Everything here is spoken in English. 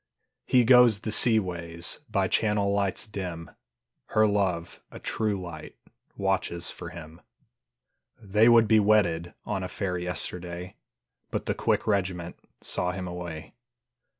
He goes the sea ways By channel lights dim, Her love, a true light, Watches for him. They would be wedded On a fair yesterday, But the quick regiment Saw him away.